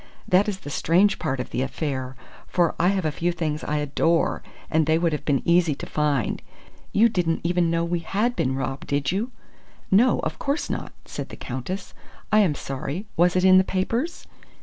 That is the strange part of the affair, for I have a few things I adore and they would have been easy to find. You didn't even know we had been robbed, did you?" "No, of course not," said the Countess. "I am sorry! Was it in the papers?"